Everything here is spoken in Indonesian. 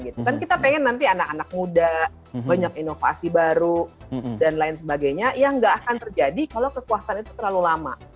kan kita pengen nanti anak anak muda banyak inovasi baru dan lain sebagainya yang gak akan terjadi kalau kekuasaan itu terlalu lama